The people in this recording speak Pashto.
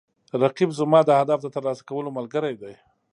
رقیب زما د هدف د ترلاسه کولو ملګری دی